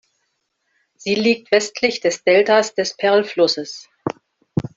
Sie liegt westlich des Deltas des Perlflusses.